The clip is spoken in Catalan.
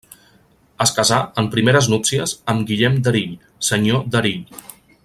Es casà, en primeres núpcies, amb Guillem d'Erill, senyor d'Erill.